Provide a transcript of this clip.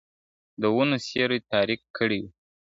د ونو سیوري تاریک کړی وو `